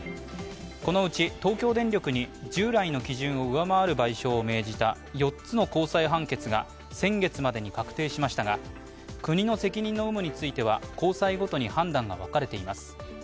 このうち東京電力に従来の基準を上回る賠償を命じた４つの高裁判決が先月までに確定しましたが国の責任の有無については高裁ごとに判断が分かれています。